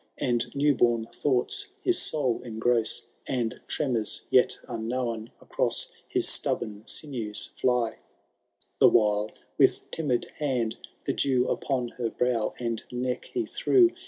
And new born thoag^ts hia mil And tremon yet unknown acroa His ttabbom nnews fly. The while with timid band ibe dew Upon her brow and neck he threw.